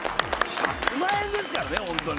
１００万円ですからねホントに。